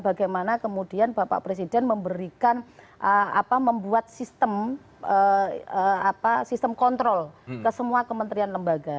bagaimana kemudian bapak presiden memberikan membuat sistem kontrol ke semua kementerian lembaga